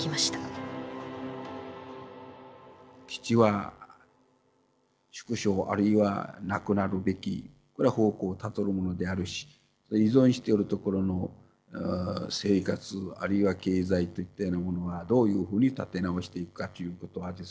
基地は縮小あるいはなくなるべきこれは方向たどるものであるし依存しておるところの生活あるいは経済といったようなものはどういうふうに立て直していくかということはですね